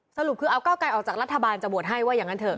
สรุปคือเอาเก้าไกลออกจากรัฐบาลจะโหวตให้ว่าอย่างนั้นเถอ